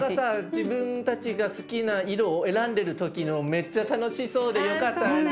自分たちが好きな色を選んでる時のめっちゃ楽しそうでよかったね。